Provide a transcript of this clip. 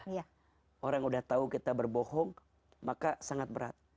orang yang sudah tahu kita berbohong maka sangat berat